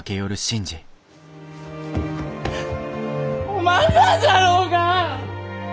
おまんらじゃろうが！